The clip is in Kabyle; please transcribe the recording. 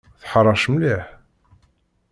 Teḥṛec mliḥ.